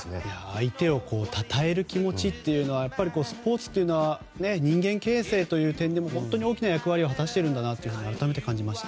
相手をたたえる気持ちというのはスポーツというのは人間形成という点でも本当に大きな役割を果たしているんだなと改めて感じました。